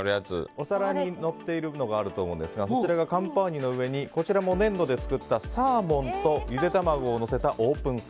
お皿にのっているものがあると思いますがそちらがカンパーニュの上にこちらも粘土で作ったサーモンとうまそう！